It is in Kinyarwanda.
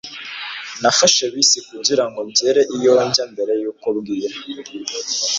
nafashe bisi kugira ngo ngere iyo njya mbere yuko bwira